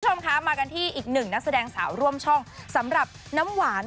คุณผู้ชมคะมากันที่อีกหนึ่งนักแสดงสาวร่วมช่องสำหรับน้ำหวาน